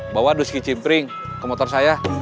bawa duski cipring ke motor saya